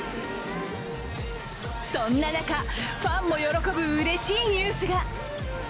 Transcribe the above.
そんな中、ファンも喜ぶうれしいニュースが。